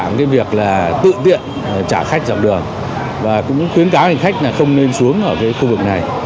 cái việc là tự tiện trả khách dọc đường và cũng khuyến cáo hành khách là không nên xuống ở cái khu vực này